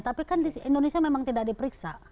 tapi kan di indonesia memang tidak diperiksa